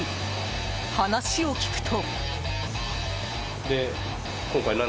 話を聞くと。